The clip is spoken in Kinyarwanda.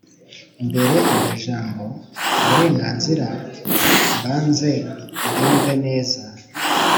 mbere iryo jambo"uburenganzira" mbanze ndyumve neza."